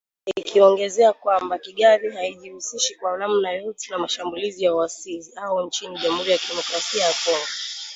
Ikiongezea kwamba Kigali haijihusishi kwa namna yoyote na mashambulizi ya waasi hao nchini Jamhuri ya kidemokrasia ya Kongo.